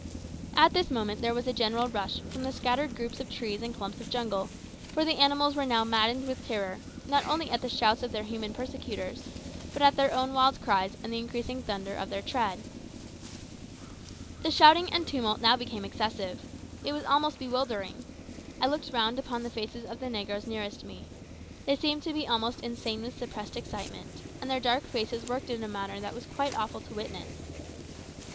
At this moment there was a general rush from the scattered groups of trees and clumps of jungle, for the animals were now maddened with terror, not only at the shouts of their human persecutors, but at their own wild cries and the increasing thunder of their tread. The shouting and tumult now became excessive. It was almost bewildering. I looked round upon the faces of the negroes nearest to me. They seemed to be almost insane with suppressed excitement, and their dark faces worked in a manner that was quite awful to witness.